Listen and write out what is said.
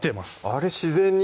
あれっ自然に？